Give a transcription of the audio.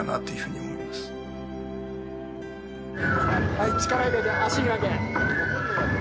はい力入れて足開け。